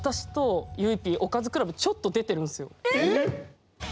えっ？